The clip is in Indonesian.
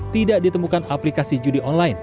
tidak ditemukan aplikasi judi online